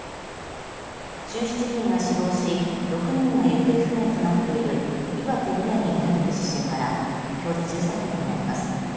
１７人が死亡し６人が行方不明となっている岩手・宮城内陸地震からきょうで１３年になります。